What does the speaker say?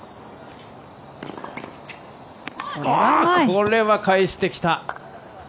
これは返してきた！